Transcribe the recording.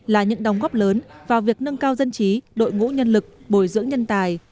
là những đóng góp lớn vào việc nâng cao dân trí đội ngũ nhân lực bồi dưỡng nhân tài